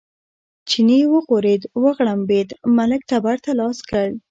چیني وغورېد، وغړمبېد، ملک تبر ته لاس کړ.